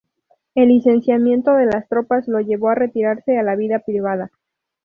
El licenciamiento de las tropas lo llevó a retirarse a la vida privada.